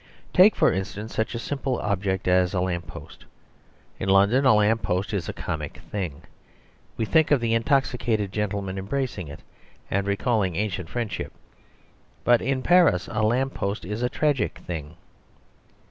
Take, for instance, such a simple object as a lamp post. In London a lamp post is a comic thing. We think of the intoxicated gentleman embracing it, and recalling ancient friendship. But in Paris a lamp post is a tragic thing.